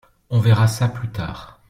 on verra ça plus tard.